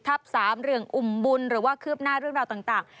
ระดับ๓เรื่องอุมบุญหรือว่าเคลือบหน้าเรื่องบราบต่าง